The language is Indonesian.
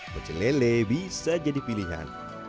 pecelele bisa jadi pilihan